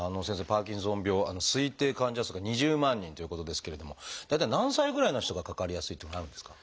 パーキンソン病推定患者数が２０万人ということですけれども大体何歳ぐらいの人がかかりやすいっていうのはあるんですか？